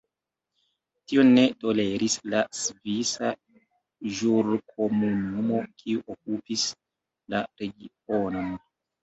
Tion ne toleris la Svisa Ĵurkomunumo, kiu okupis la regionon.